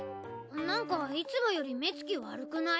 なんかいつもより目つき悪くない？